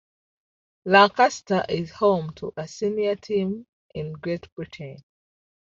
Lancaster is home to a senior team in Great Britain.